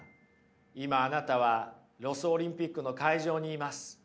今あなたはロスオリンピックの会場にいます。